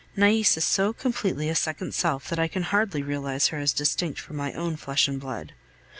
Nais is so completely a second self that I can hardly realize her as distinct from my own flesh and blood.